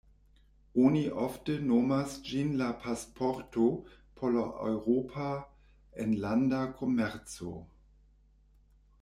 Oni ofte nomas ĝin la "pasporto" por la Eŭropa enlanda komerco.